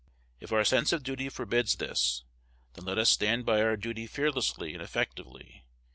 If our sense of duty forbids this, then let us stand by our duty fearlessly and effectively.